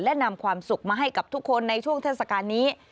และนำความสุขมาให้กับทุกคนในช่วงเทศกาลนี้